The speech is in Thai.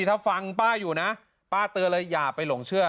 ถ้าฟังป้าอยู่นะป้าเตือนเลยอย่าไปหลงเชื่อ